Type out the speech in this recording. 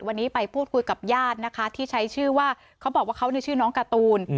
วันนี้ไปพูดคุยกับญาตินะคะที่ใช้ชื่อว่าเขาบอกว่าเขาชื่อน้องการ์ตูน